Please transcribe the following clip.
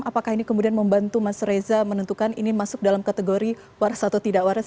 apakah ini kemudian membantu mas reza menentukan ini masuk dalam kategori waras atau tidak waras